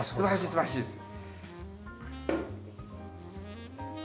すばらしいです。